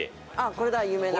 これだ有名な。